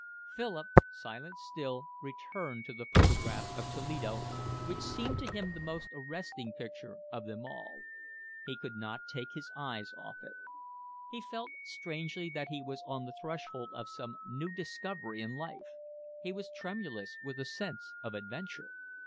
Philip, silent still, returned to the photograph of Toledo, which seemed to him the most arresting picture of them all. He could not take his eyes off it. He felt strangely that he was on the threshold of some new discovery in life. He was tremulous with a sense of adventure.